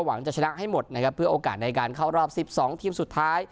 หวังจะชนะให้หมดนะครับเพื่อโอกาสในการเข้ารอบ๑๒ทีมสุดท้าย